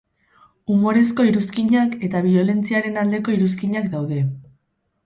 Humorezko iruzkinak eta biolentziaren aldeko iruzkinak daude.